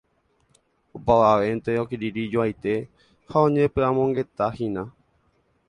Opavavénte okirirĩjoaite ha oñepy'amongetáhína.